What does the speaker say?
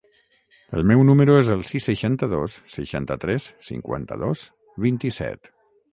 El meu número es el sis, seixanta-dos, seixanta-tres, cinquanta-dos, vint-i-set.